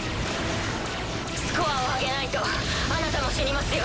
スコアを上げないとあなたも死にますよ